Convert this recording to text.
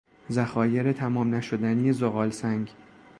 ذخایر تمام نشدنی زغالسنگ